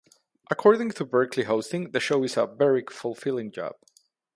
According to Berkley hosting the show is a very fulfilling job.